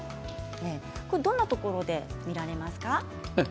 どんなところで見られますか？